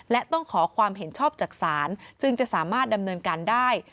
และต้องขอความเห็นชอบจากศาลจึงจะสามารถดำเนินการได้